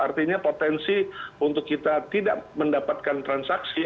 artinya potensi untuk kita tidak mendapatkan transaksi